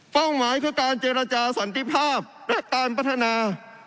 หมายคือการเจรจาสันติภาพและการพัฒนา